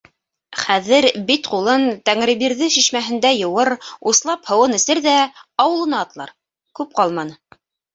Хәҙер бит-ҡулын Тәңребирҙе шишмәһендә йыуыр, услап һыуын эсер ҙә - ауылына атлар, күп ҡалманы...